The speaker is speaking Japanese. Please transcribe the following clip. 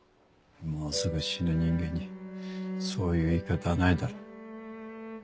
もうすぐ死ぬ人間にそういう言い方はないだろ。